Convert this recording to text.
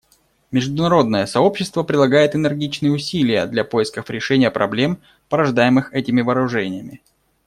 Международное сообщество прилагает энергичные усилия для поисков решения проблем, порождаемых этими вооружениями.